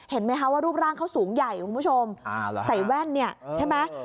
เห็นไหมคะว่ารูปร่างเขาสูงใหญ่คุณผู้ชมใส่แว่นเนี่ยใช่ไหม